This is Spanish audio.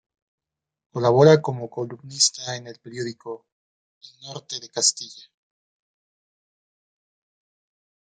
Colabora como columnista en el periódico "El Norte de Castilla".